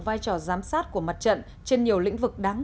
vai trò giám sát của mặt trận trên nhiều lĩnh vực đáng quan tâm